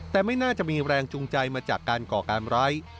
แต่ไม่น่าจะมีแรงจูงใจมาจากการก่อการร้าย